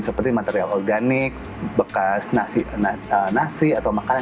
seperti material organik bekas nasi atau makanan